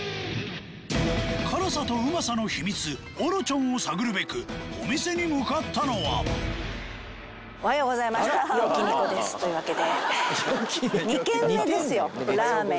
辛さとうまさの秘密オロチョンを探るべくお店に向かったのはというわけで。